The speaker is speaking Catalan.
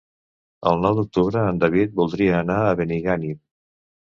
El nou d'octubre en David voldria anar a Benigànim.